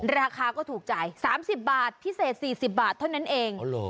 ราคาก็ถูกใจ๓๐บาทพิเศษ๔๐บาทเท่านั้นเอง